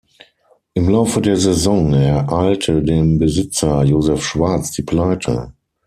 Im Laufe der Saison ereilte den Besitzer, Joseph Schwarz, die Pleite.